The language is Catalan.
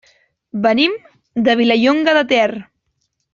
Venim de Vilallonga de Ter.